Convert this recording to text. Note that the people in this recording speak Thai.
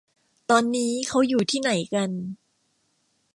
ตอนนี้เค้าอยู่ที่ไหนกัน